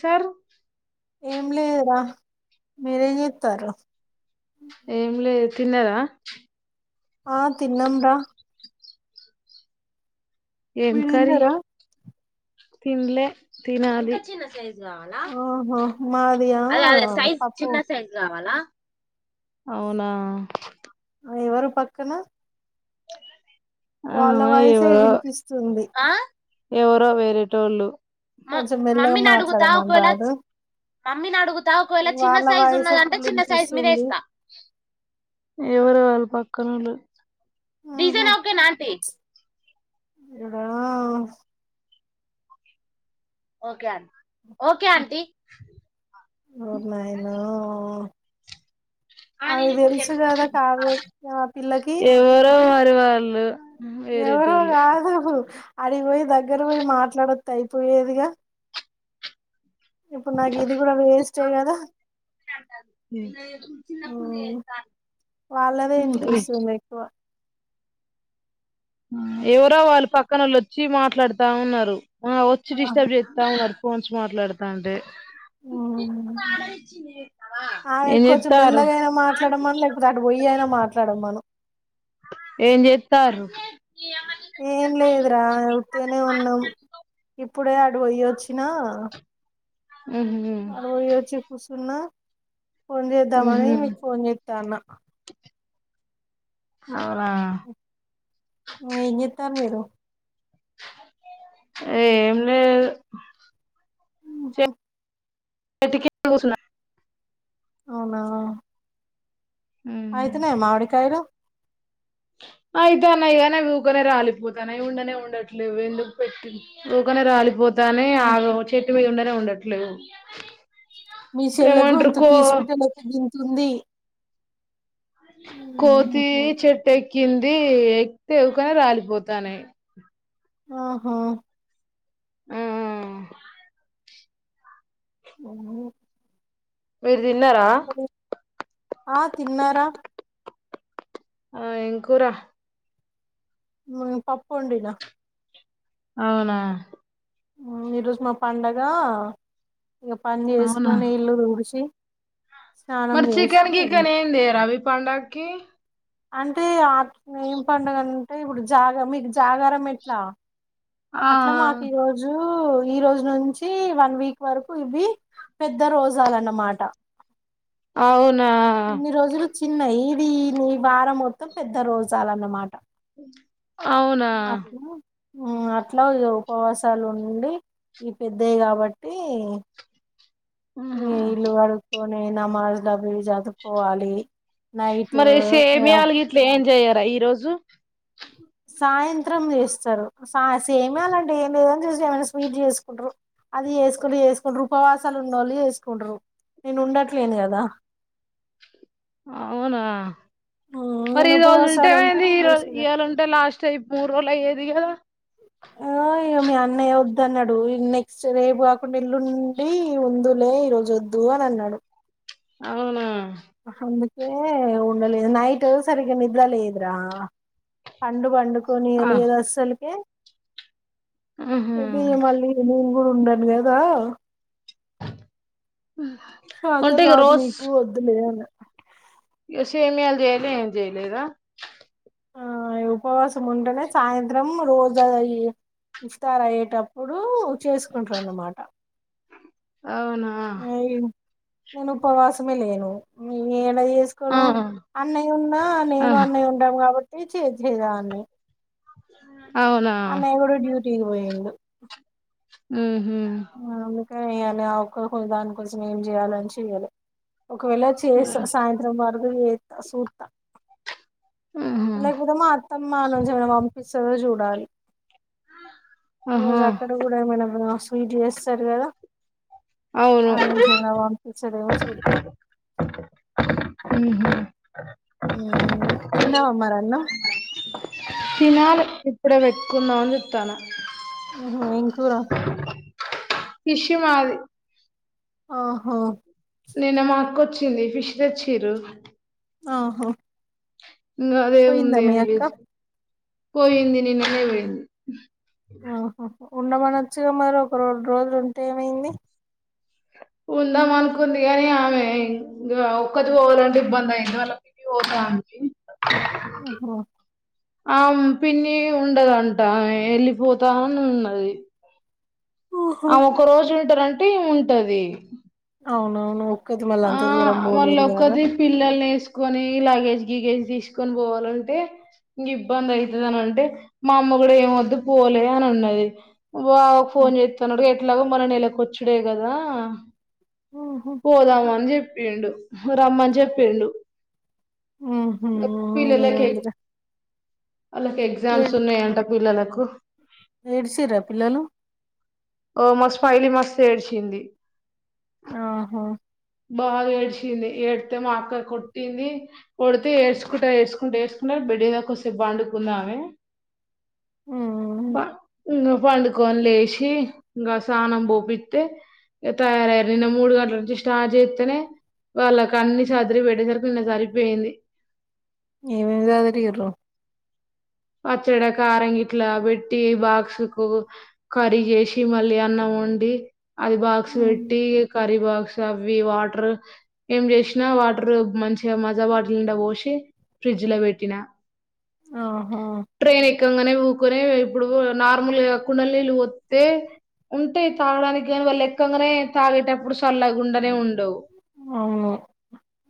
Sir ఏం లేదురా మీరేం చెత్తన్రు ఏం లే తిన్నారా అ తిన్నాం రా ఏం మీరు కర్రీ తిన్నారా తిన్లే తినాలి గావాల ఆహా మాదియా అదే అదే సైజ్ పప్పు చిన్న సైజ్ కావాలా అవునా అ ఎవరు పక్కన వాళ్ళ ఆ వాయిసే ఎవరో వినిపిస్తుంది ఆ ఎవరో వేరేటోళ్లు మామ్ కొంచెం మెల్లగా మమ్మీనడుగుతా మాట్లాడమని ఒకేవేళా రాదు చిన్ మమ్మీనడుగుతా ఒకవేళ వాళ్ళ చిన్నసైజు వాయిసే ఉన్నాయంటే ఫుల్ చిన్న సైజు మీదే వినిపిస్తుంది ఇస్తా ఎవారో పక్కనోళ్లు డీజెన్ ఒకే నా అంటి అ ఓకే అన్ ఓకే ఆంటీ ఓరినాయనో ఆ నేను ఇప్పుడు చెప్తా అ ఆ పిల్లకి ఎవళ్ళు ఊహూ వేరేటోళ్ళు అడిగిపోయి దగ్గర పోయి మాట్లాడోత్తే అయిపోయేదిగా ఇప్పుడు నాకు ఇది కూడా వేస్టే కదా వాళ్ళదే ఇనిపిస్తుంది ఎక్కువ ఎవరో వాళ్ళు పక్కనోళ్ళొచ్చి మాట్లాతాఉన్నారు ఆ వచ్చి డిస్టర్బ్ చేత్తాఉన్నారు ఫోన్స్ మాట్లాడతాంటే ఆమె ఏం కొంచెం చేత్తారు మెల్లగైనా మాట్లాడమను లేకపోతే అటు పోయి అయినా మాట్లా మాట్లాడమను ఏం చేత్తారు ఏం లేదురా ఉట్టిగానే ఉన్నాం ఇప్పుడే అటు పోయ్యొచ్చినా మ్మ్ హ్మ్ అటు పోయిచ్చి కూసున్నా ఫోన్ మ్మ్ చేద్దామని హ్మ్ మీకు ఫోన్ చేస్తాన్న అవునా ఏం చెత్తారు మీరు ఏం లేదు ఊహూ ఉట్టికే కూసున్నా అవునా ఆయితేనే మావిడికాయలు అయితే అన్నాయ్ కానీ అవి ఊకనే రాలిపోతానాయి ఉండనే ఉండట్లేవు ఎందుకు పెట్టి ఊకనే రాలిపో తానాయ్ ఆగో చెట్టు మింద గా ఉండట్లేదు మీ సెల్లె గొంతు కీస్పిట్ట లెక్క గింతుంది కోతి చెట్టె కింది ఎక్కువగా రాలిపోతానాయి ఓహో ఊ ఊ ఊ మీరు తిన్నారా ఆ తిన్నారా ఆ ఏం కూర ఊ పప్పొండినా అవునా ఊ ఈ రోజు మా పండగ ఇగ పని అవునా చేసుకొని ఇల్లు దుడిషి మరి చికెన్ కికెన్ ఏంది రవి పండాగకిి అంటే అ ఏం పండుగ అంటే ఇప్పుడు జాగ మీకు జాగారం ఎట్లా ఆ అట్లా మాకు ఈ రోజు ఈ రోజు నుంచి వన్ వీక్ వరకు ఇవి పెద్ద రోజాలన్నమాట అవునా అ ఈ వారం మొత్తం పెద్ద రోజాలన్నమాట అవునా అట్లా అట్లా ఉపవాసాలు ఉండి ఈ పెద్దవి కాబట్టి ఆహా కొనే నమాజు లు అవి చదువుకోవాలి నైట్ మీ ఆల్గు ఇలే జయ్యరా ఈరోజు సాయంత్రం చేస్తారు సా సేమే అలాంటే ఏం లేదని చూసి ఏమైనా స్వీట్ చేసుకుంటారు అది చేసుకుంటూ చేసుకుంటారు ఉపవాసాలు ఉండ వాళ్ళు చేసుకుంట్రారు నేను ఉండట్లేను కదా అవునా మరి నేను ఈ రోజు ఉంటే ఉపవాసాలు అంది నేను ఈరో చేసేద ఇయర్ ఉంటే లాస్ట్ అయిపో మూరు రోలయేది కదా ఆ ఇయో మీ అన్నయ్య వద్దు అన్నాడు నెక్స్ట్ రేపు అక్క నల్లుండి ఉందులే ఈ రోజు వద్దు అని అన్నాడు అవునా ఏ ఉండలే నైట్ సరిగా నిదలేదరా కం బం ఆ కొనీయలిదు అస్సలుక ఆహా ఏది మళ్ళి ఇప్పుడు ఉన్నాను కదా అంటే ఇక అతదదు నీకు వద్దులే అని ఇ స ఏమియాల జయలే ఏ చేయలేద ఆ ఉపవాసం ఉంటేనే సాయంత్రం రోజా ఇస్తారు అయ్యేటప్పుడు చేసుకుంటారు అన్నమాట అవునా నేను ఉపవాసమే లేను అ ఆ చేసుకోను అన్నయ్య ఉన్నా ఆ నేను అన్నయ్య ఉంటం కాబట్టి ఏ చేజదాన్ని ఆ అవునా తీ పోయడు ఉ ఆ య్యాలి ఆ ఒ దానికోసం ఏం చెయ్యాలని చెయ్యాలి ఒకవేళ చేస్త సాయంత్రం వరకు చేస్తా చూస్తా ఆహా లేకపోతే మా అత్తమ్మ నుంచి ఏమైనా పంపిస్తుందో చూడాలి ఈ ఆహా రోజు అక్కడ కూడా ఏమైనాప్పు స్వీట్ చేస్తారు కదా అవును ఆనజనావాంపి చెడవ సడతా అహ తిన్నావ మరి అన్నం తినాలీ ఇప్పుడ పెట్టుకుందాం అని చూస్తున ఓహో ఇంకరా కిషు మాది ఆహా నేను మాక్కొచ్చింది ఫిష్ తెచ్చరు ఆహో ఇంకా అదే ఉంది అండి పోయింది నిన్ననే పోయింది ఉ ఆహా ఉండమనొచ్చుగా మరి ఒక రోడు రోజులు ఉంటే ఏమైంది ఉందాం అనుకుంది కాని ఆమె ఇంకా ఒక్కది పోవాలంటే ఇబ్బంది అయింది వాళ్ళకిిగి పోతామె ఒ హో ఆ పిన్ని ఉండదంటా ఎళ్ళిపోతను ఉన్నది ఓహో అ ఒక రోజు వింటారంటే అంటే ఉంటది అవునవును ఒక్కది మళ్ళీ ఆ అంత దూరం వాళ్ళ పోలేదు కదా ఒకది పిల్లల్ని వేసు సుకొని లగేజ్ గిగేజ్ తీసుకొని పోవాలంటే, ఇంక ఇబ్బంది అయితది అని అంటే, మా అమ్మ కూడా ఏం వద్దు పోలే అని అన్నది బా ఫోన్ చేస్తున్నాడు ఎట్లాగో మన నెల కొచ్చుడేగదా ఊహూ పోదామ అని చే పిండు రమ్మాన్ చెప్పిండు ఊహూ మ పిలేలో కే ఏముందిరా వాళ్ళకి ఎగ్జామ్స్ ఉన్నాయంట పిల్లలకు ఏడిసిరా పిల్లలు ఓ మాస్ ఫైలి మస్ ఏడ్చింది ఆహో బాగా ఏడ్చింది ఏడితే మా అక్కడ కొట్టింది, కొడితే ఏడచుకుంట ఏడ్చుకుంటా ఏడ్చుకుంటా బెడ్ మీద కాసేపు పండుకుంది ఆమె ఊ ప ఇంకా పండుకను లేసి, ఇంకా సానం పోపిస్తే, ఇంక తయారయ్యారి నిన్న మూడు గంటల నుం స్టార్ట్ చేస్తేనే వాళ్ళ క అన్ని సదరి పెట్టేసరికి నిన్న సరిపోయింది ఎం ఎం సదిరి రూ పచ్చడి కారంగిట్లా పెట్టి బాక్సు కు కర్రీ చేసి మళ్ళీ అన్నం వండి అది బాక్స్ పెట్టి కరర్రి బాక్ అవి వాటర్ ఏం చేసినా వాటర్ మంచిగా మజా వాాటిల్ నిండా పోసి ఫ్రిడ్జ్ లో పెట్టినా ఆహా ట్రైన్ ఎక్కంగానే ఊకొని ఇప్పుడు నార్మల్గా కుండ నీళ్ళు వస్తే, ఉంటాయి తాగడానికి కాని వాళ్ళు ఎలక్కంగానే తాగేటప్పుడు చల్ల గుండనే ఉంట అవును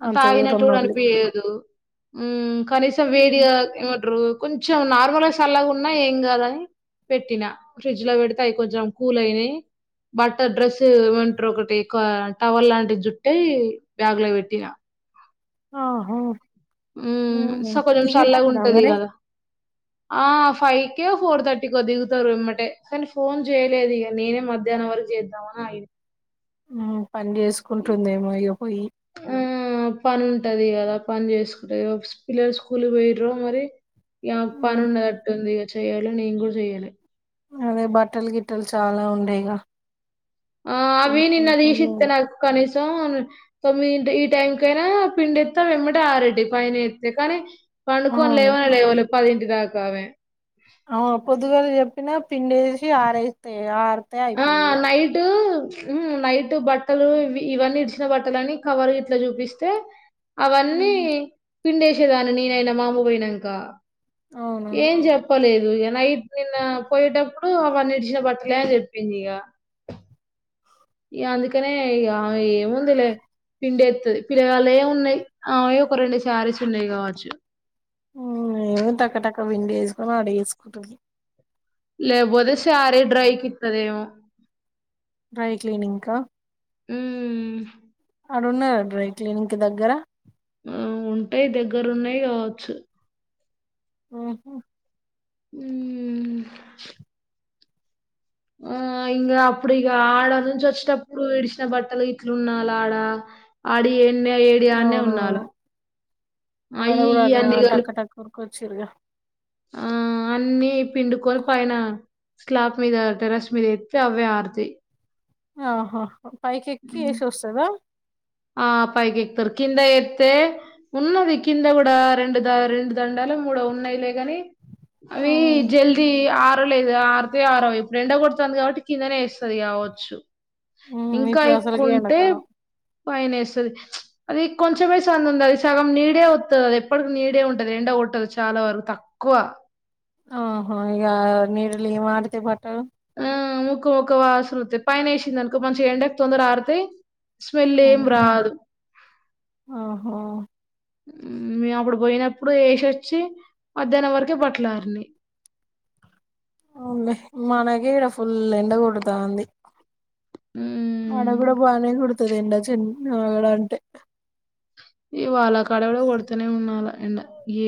[unintelligible] అంత దూరం తాగినట్టు కూడా మళ్ళీ అనిపియదు ఉ కనీసం వేడియా ఏమంటరు కొంచెం నార్మల్గా సల్లాగా ఉన్నా ఏం కాదని పెట్టినా, ఫ్రిడ్జ్ లో పెడితే అవి కొంచెం కూల్ అయినాయి, బట్టర్ డ్రెస్ ఏమంటారు ఒకటి టవర్ లాంటి జుట్టి బ్యాగ్ లో పెట్టినా ఆహో ఉ స కొంచెం చల్లాగా ఉంటది మరి కదా ఆ ఫైవ్ కే ఫోర్ థర్టీకి దిగుతారు ఇమ్మటే, కానీ ఫోన్ చేయలేదు ఇక, నేనే మధ్యాహ్నం వరకు చేద్దామని ఆగిన ఆ పని చేసుకుంటుందేమో అయ్య పోయి ఆ పని ఉంటది కదా పని చేసుకుంటది పిల్లలు స్కూల్ పోయ్రో మరి ఇ పని ఉండదట్టుంది ఇక చెయి నం కూడా చేయ్యాలి అదే బట్టలు గిట్టలు చాలా ఉండేయిగా ఆ అవీనిన్నది ఈసిత్త నా కనీస అవును తొమ్మి ఈ టైం కైనా పిండి ఎస్తా వెమ్మట ఆరడి పైన ఎస్తతే కానీ పణుకు అ అవును లేవన లేవ ఇ అ ఇకావే అవు పొదుగాేలు చెప్పిన పింండేసి ఆరేస్త ఆ ఆ నైట్ ఉ నైట్ బట్టలు ఇవన్నీ ఇడిచిన బట్టలన్న కవర్ ఇట్లా చూపిస్తే అవన్నీ హ్మ్. పిండేసేదాన్ని నేనైనా మామూగాయినాంకా అవునవును ఏం జెప్పలే ఇగ నైట్ నిన్న పోయేటప్పుడు అవన్నీ ఇడిచిన బట్టలే అని చెప్పింది ఇగ ఇగ అందుకనే ఇగ ఏముంది లే పిండేత్తది పిల్లగాల్లేయి ఉన్నాయి ఆమెయి ఒక రెండు సారీస్ ఉన్నాయి కావచ్చు ఏమి టక్కటక్క విండి వేసుకొని ఆడ వేసుకుంటుంది లేబోతే సార డ్రాైట్టద డ్రై క్లీనింగ్ కా ఉ అడున్నదా డ్రై క్లీనింగ్ కి దగ్గర ఊ ఉంటాయి దగ్గరున్నాయి కావచ్చు ఊహూ మ్మ్ ఊ ఆ ఇంగ అప్పుడు ఇగ ఆడ నుంచి వచ్చేటప్పుడు విడిచిన బట్టలు ఇట్లున్నాలాడ ఆడియే నే ఏడియానే అవునవును ఉన్నాల అయ్యి ఇయ్యి అన్ని కలు సురుగా ఆ అన్నీ పిండుకొని పైన స్లాప్ మీద టెర్రస్ మీద ఎత్తే అవే ఆరుతాయి ఆహా పైకెక్కి ఏసొస్తదా? ఆ పైకెక్కరు కింద ఎత్తే ఉన్నవి కింద కూడా రెండు ద రెండు దండాలు మూడో ఉన్నాయిలే గాని అవి హ్మ్. జల్దీ ఆ టు లేదు ఆరితే ఆరవ్ ఇప్పుడు ఎండ కొడుతోది కాబట్టి కిందనే ఏస్తాది కావచ్చు ఊ ఇంకా ఎక్కువుంటే పైనేస్తది అది కొంచెమే సందుందై అది సగం నీడే వత్తది అది ఎప్పటికి నీడే ఉంటది ఎండ కొట్టదు చాలా వరగు తక్కువ ఆహా ఇగ నిరులి మారుతి పటు ఆ ముక్క ముక్క వాసనోతాయ్ పైన ఎసిననుకో మంచిం ఎండకి తొందర అర్థయ్ అవును ఆహా హ్మ మే అప్పుడు పోయినప్పుడు ఎషొచ్చీ మధ్యానం వరకే బట్ల అరినయ్ అవున్లే మనకే ఇడ ఫుల్ ఎండ కొడుతాంది ఆడ మ్ కూడా బానే కోడు [unintelligible] ఇగ్ వాళ్ళా కడ కూడా కొడుతూనే ఉంనాలే ఎండ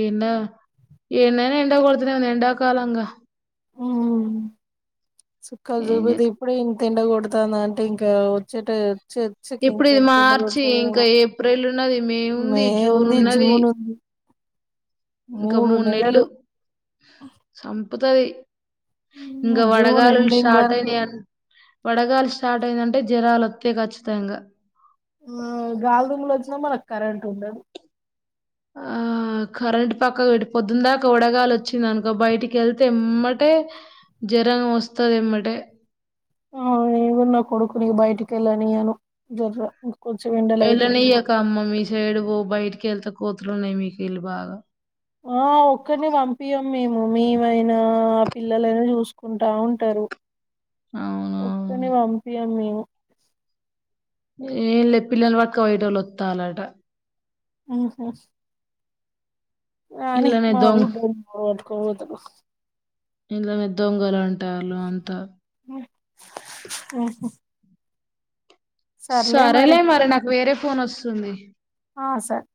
ఏండ ఎందైనా ఎండ కొడుతునే ఉంది ఎండాకాలంగా సుకల్ ఏం చే జూపిదు ఇప్పుడే ఇంగ్ తిండ కొడతాన్దాంటే ఇంకా వచ్చేట ఏత్ ఇప్పుడు ఇది మార్చి ఇంకా ఏప్రిల్ ఉన్నది మే ఉంది జూన్ ఉంది, ఉన్నది జూన్ ఉంది. ఇంకా మూడు నెళ్లు నెలలు. సంపుతది ఇంగ హ్మ్. జూన్ వడగాలులు ఎండింగ్ స్టార్ట్ వరకు అయినయ్ అన్ వడగాలు స్టార్ట్ అయినాయంటే జరాలోత్తయి ఖచ్చితంగా ఆ గాలిదుమ్ములు వచ్చినా మనక్ కరెంటుండదు ఆ కరెంట్ పక్క పె పొద్దున్న దాకా వడగాలి వచ్చింది అనుకో బయటికి వెళ్తే ఎమ్మటే జరంగ వస్తది ఎమ్మటే ఆ ఇవన్న కొడుకు న బయటికి ఎలా నయను జర ఎల్ల నియకమ్మ మీ సైడ్ వో బైటిక్ కెళ్తే కోతురున్నాయి మీకెళ్ళి బాగా ఆ ఒక్కరిని పంపి మేము మీవైనా ఆ పిల్లలైనా చూసుకుంటా ఉంటారు ఒక్కే అవునవును. ను పంపియా మే ఏం లే పిల్లల వకు వయటోళ్ళు వస్తా అన్నట ఆఓహా ఆనీ ఇళ్ళనే దొంగ మాఊడ పోవుదు ఇలా మద్దొంగలు అంటే తాలు అంత ఆఓ సరేలే మరి నాకు వేరే ఫన్ వస్తుంది ఆ సార్